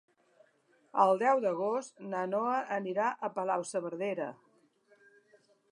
El deu d'agost na Noa anirà a Palau-saverdera.